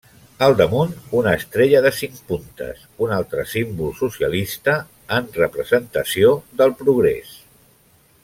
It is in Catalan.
Al damunt, una estrella de cinc puntes, un altre símbol socialista, en representació del progrés.